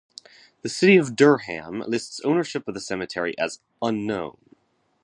The city of Durham lists ownership of the cemetery as "Unknown".